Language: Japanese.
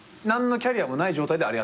何のキャリアもない状態で。